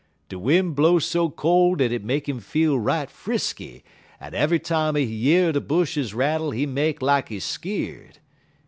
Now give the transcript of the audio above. De win' blow so col' dat it make 'im feel right frisky, en eve'y time he year de bushes rattle he make lak he skeerd.